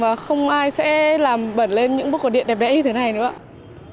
và không ai sẽ làm bẩn lên những bút cỏ điện đẹp đẽ như thế này nữa ạ